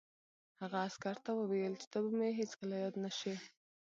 هغه عسکر ته وویل چې ته به مې هېڅکله یاد نه شې